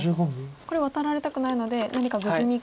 これはワタられたくないので何か無事に。